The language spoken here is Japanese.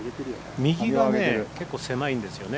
右がね結構狭いんですよね。